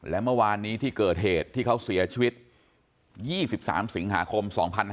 และเมื่อวานนี้ที่เกิดเหตุที่เขาเสียชีวิต๒๓สิงหาคม๒๕๕๙